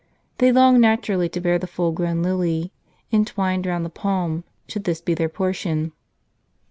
They longed naturally to bear the full grown lily, entwined round the palm, should this be their portion.